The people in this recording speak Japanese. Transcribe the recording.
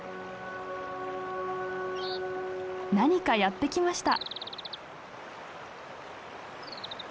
何かやって来ました。